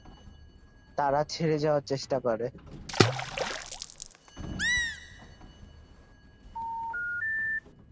তারা ছেড়ে যাওয়ার চেষ্টা করে।